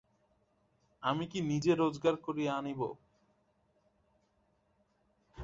আমি কি নিজে রোজগার করিয়া আনিব।